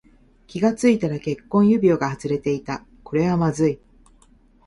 気がついたら結婚指輪が外れていた。これはまずい。